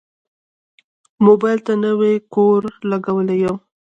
موبایل ته نوی کوور لګولی یم.